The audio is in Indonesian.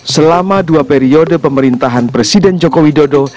selama dua periode pemerintahan presiden joko widodo